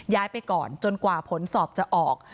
ไปก่อนจนกว่าผลสอบจะออก